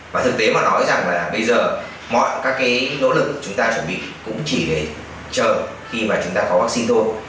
và thực tế mà nói rằng là bây giờ mọi các cái nỗ lực chúng ta chuẩn bị cũng chỉ chờ khi mà chúng ta có vaccine thôi